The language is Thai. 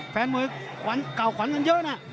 แฟนมือเก่าขวัญกันเยอะนะ